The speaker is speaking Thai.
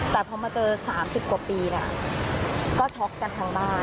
แต่พอมาเจอ๓๐กว่าปีเนี่ยก็ช็อกกันทั้งบ้าน